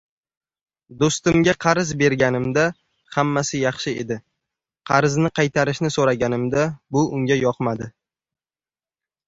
• Do‘stimga qarz berganimda hammasi yaxshi edi, qarzni qaytarishni so‘raganimda bu unga yoqmadi.